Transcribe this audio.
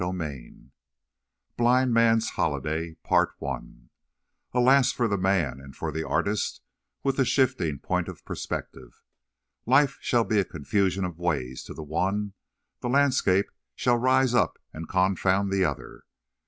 XXIII BLIND MAN'S HOLIDAY Alas for the man and for the artist with the shifting point of perspective! Life shall be a confusion of ways to the one; the landscape shall rise up and confound the other.